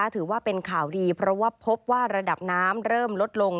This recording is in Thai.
ถือว่าเป็นข่าวดีเพราะว่าพบว่าระดับน้ำเริ่มลดลง